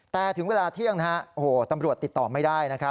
แต่ถึงเวลาเที่ยงตำรวจติดต่อไม่ได้